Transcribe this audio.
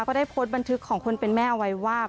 ก็ได้โพสต์บันทึกของคนเป็นแม่เอาไว้ว่า